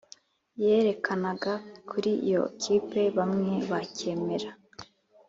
yerekanaga kuri iyo kipe bamwe bakemera